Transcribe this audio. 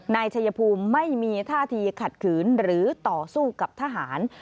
นายชัยภูมิไม่มีท่าทีขัดขืนหรือต่อสู้กับทหาร